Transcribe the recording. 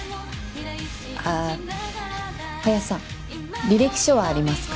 あっ林さん履歴書はありますか？